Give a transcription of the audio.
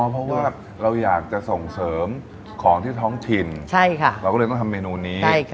เพราะว่าเราอยากจะส่งเสริมของที่ท้องถิ่นเราก็เลยต้องทำเมนูนี้